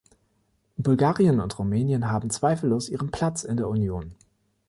Bulgarien und Rumänien haben zweifellos ihren Platz in der Union.